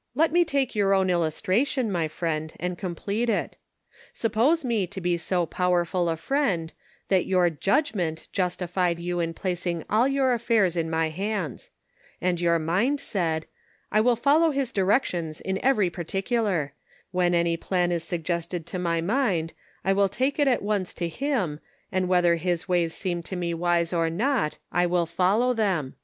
" Let me take your own illustration, my friend and complete it. Suppose me to be so power ful a friend that your judgment justified you in placing all your affairs in my hands ; and your mind said, ' I will follow his directions in every particular ; when any plan is sug gested to my mind I will take it at once to him, and whether his ways seeni to me wise or not, I will follow them.'